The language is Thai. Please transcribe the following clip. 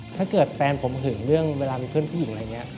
ถ้าเกิดแฟนผมหึงเรื่องเวลามีเพื่อนผู้หญิงอะไรอย่างนี้